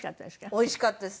おいしかったです。